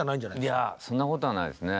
いやそんなことないですね。